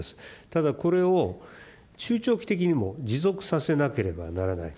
ただ、これを中長期的にも持続させなければならない、